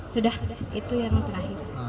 sudah itu yang terakhir